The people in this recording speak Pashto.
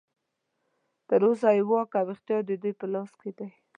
تر اوسه یې واک او اختیار ددوی په لاس کې دی.